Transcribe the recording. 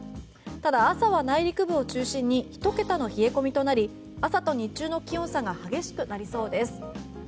ただ、朝は内陸部を中心にひと桁の冷え込みとなり朝と日中の気温差が激しくなりそうです。